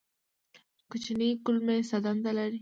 کوچنۍ کولمې څه دنده لري؟